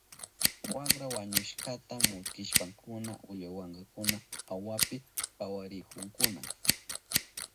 Wakra wañushkata muktishpankuna ullawankakuna awapi pawarihunkuna.